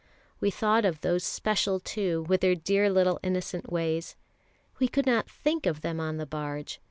We thought of those special two with their dear little innocent ways. We could not think of them on the barge.